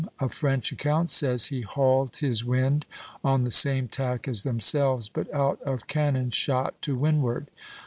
a French account says, he hauled his wind on the same tack as themselves, but out of cannon shot to windward.